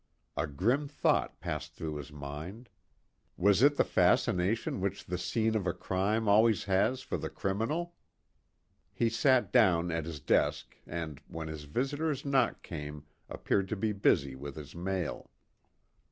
A grim thought passed through his mind. Was it the fascination which the scene of a crime always has for the criminal? He sat down at his desk, and, when his visitor's knock came, appeared to be busy with his mail.